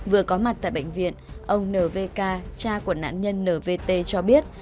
vừa có mặt tại bệnh viện ông nvk cha của nạn nhân nvt cho biết